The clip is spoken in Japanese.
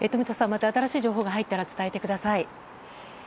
また新しい情報が入ったら伝えてください。